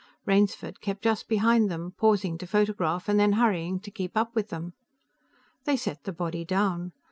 Rainsford kept just behind them, pausing to photograph and then hurrying to keep up with them. They set the body down.